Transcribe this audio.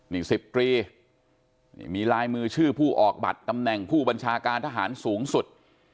นี่๑๐ตรีนี่มีลายมือชื่อผู้ออกบัตรตำแหน่งผู้บัญชาการทหารสูงสุด